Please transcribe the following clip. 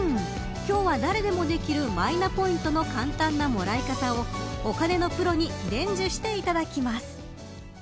今日は、誰でもできるマイナポイントの簡単なもらい方をお金のプロに伝授していただきます。